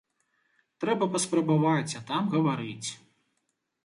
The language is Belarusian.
Трэба паспрабаваць, а там гаварыць.